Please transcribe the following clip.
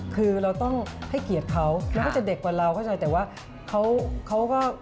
เป็นจี๊ตันประมาณนั้นค่ะค่ะ